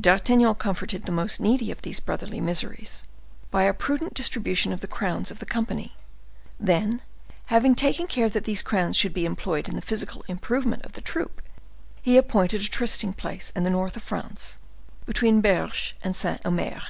D'Artagnan comforted the most needy of these brotherly miseries by a prudent distribution of the crowns of the company; then, having taken care that these crowns should be employed in the physical improvement of the troop, he appointed a trysting place in the north of France, between Bergues and Saint Omer.